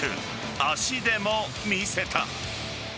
足でも見せた。